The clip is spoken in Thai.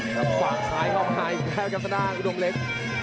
สว่างซ้ายข้อมายแก้วกับสนานอุดมเล็ก